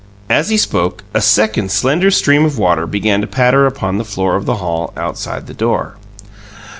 As he spoke, a second slender stream of water began to patter upon the floor of the hall outside the door.